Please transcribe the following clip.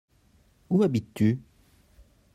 Où habites-tu ?